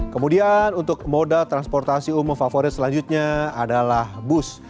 kemudian untuk moda transportasi umum favorit selanjutnya adalah bus